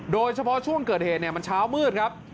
โดยเฉพาะช่วงเกิดเหตุมันเช้ามืดครับ